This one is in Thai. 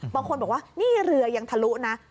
บางคนบอกว่านี่เรือยังทะลุนะ